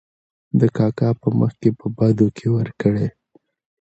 د کاکا په مخکې په بدو کې ور کړې .